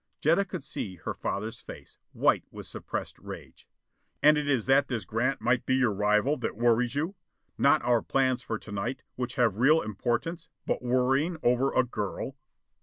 Jetta could see her father's face, white with suppressed rage. "You think that? And it is that this Grant might be your rival, that worries you? Not our plans for to night, which have real importance but worrying over a girl."